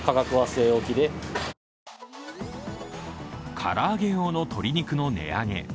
唐揚げ用の鶏肉の値上げ。